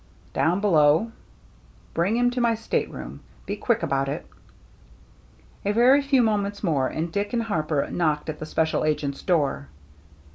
" Down below." " Bring him to my stateroom. Be quick about it.'* A very few moments more, and Dick and Harper knocked at the special agent's door.